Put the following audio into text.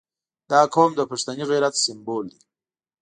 • دا قوم د پښتني غیرت سمبول دی.